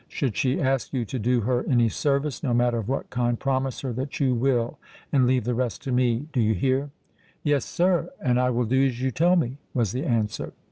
Should she ask you to do her any service—no matter of what kind—promise her that you will; and leave the rest to me. Do you hear?" "Yes, sir—and I will do as you tell me," was the answer.